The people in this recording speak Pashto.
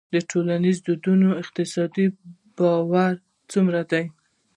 د ټولنیزو دودونو اقتصادي بار څومره دی؟